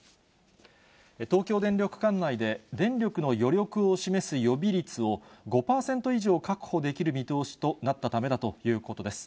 東京電力管内で電力の余力を示す予備率を５％以上確保できる見通しとなったためだということです。